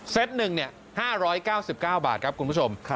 หนึ่ง๕๙๙บาทครับคุณผู้ชม